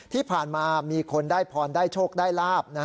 ที่ผ่านมามีคนได้พรได้โชคได้ลาบ